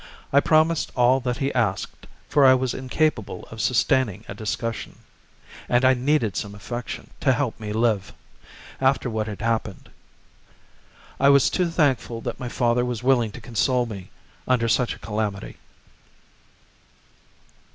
I promised all that he asked, for I was incapable of sustaining a discussion, and I needed some affection to help me to live, after what had happened. I was too thankful that my father was willing to console me under such a calamity.